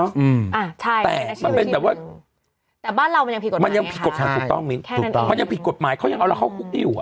อ่าใช่อาชีพอาชีพนึงแต่บ้านเรามันยังผิดกฎหมายค่ะแค่นั้นเองมันยังผิดกฎหมายเขายังเอาเราเข้าคุกด้วยอยู่